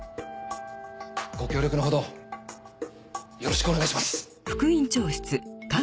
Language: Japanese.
ご協力のほどよろしくお願いします。